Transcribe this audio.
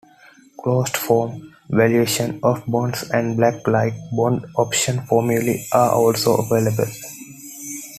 Closed form valuations of bonds, and "Black-like" bond option formulae are also available.